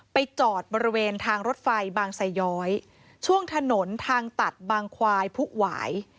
ไปจอดบริเวณทางรถไฟบางไซย้อยช่วงถนนทางตัดบางควายผู้หวาย